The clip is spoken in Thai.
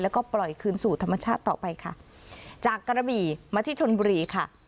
แล้วก็ปล่อยคืนสู่ธรรมชาติต่อไปค่ะจากกระบี่มาที่ชนบุรีค่ะ